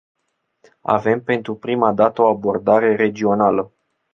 Avem pentru prima dată o abordare regională.